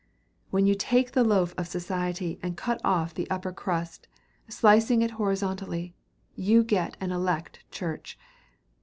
When you take the loaf of society and cut off the upper crust, slicing it horizontally, you get an elect church.